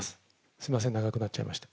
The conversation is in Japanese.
すみません、長くなっちゃいました。